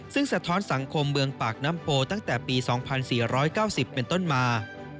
ซึ่งสะท้อนสังคมเมืองปากน้ำโพตั้งแต่ปี๒๔๙๐เป็นต้นมา